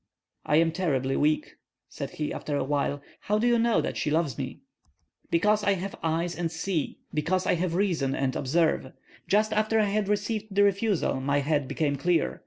"I am terribly weak," said he, after a while. "How do you know that she loves me?" "Because I have eyes and see, because I have reason and observe; just after I had received the refusal my head became clear.